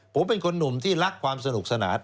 ผมเป็นคนหนุ่มที่รักความสนุกสนาน